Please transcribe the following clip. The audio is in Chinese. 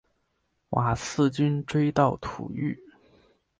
瓦剌军追到土域。